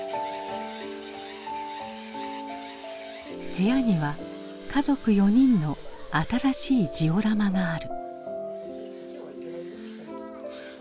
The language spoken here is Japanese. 部屋には家族４人の新しいジオラマがある。